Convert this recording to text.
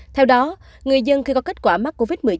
theo đó người dân khi có kết quả mắc covid một mươi chín sẽ chủ động